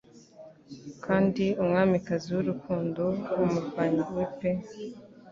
Kandi Umwamikazi w'urukundo umurwanyi we pe